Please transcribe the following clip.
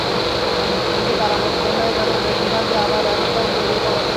কিন্তু কারামুক্ত হয়ে তাঁদের বেশির ভাগই আবার একই কাজে জড়িয়ে পড়েন।